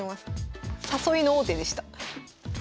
誘いの王手でした。